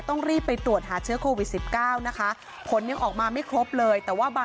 ที่สังเกตอนเวลา